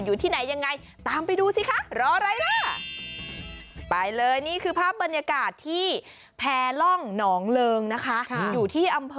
อยู่ที่ไหนยังไงตามไปดูสิคะรออะไรล่ะ